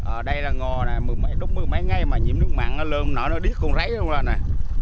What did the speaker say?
ở đây là ngò nè đúng mấy ngày mà nhiễm nước mặn nó lơm nó nó điết con ráy luôn rồi nè